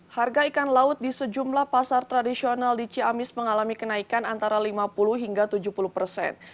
harga ikan laut di sejumlah pasar tradisional di ciamis mengalami kenaikan antara lima puluh hingga tujuh puluh persen